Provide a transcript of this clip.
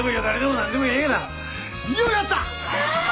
ようやった！